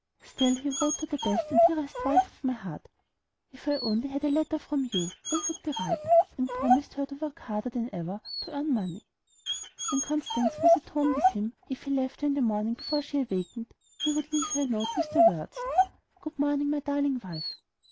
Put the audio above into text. Still he wrote to "the best and dearest wife of my heart," "If I only had a letter from you, all would be right," and promised her to work harder than ever to earn money. When Constance was at home with him, if he left her in the morning before she awakened, he would leave a note for her with the words, "Good morning, my darling wife.